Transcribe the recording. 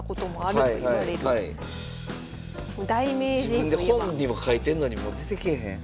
自分で本にも書いてんのにもう出てけえへん。